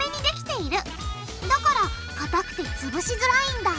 だからかたくてつぶしづらいんだ！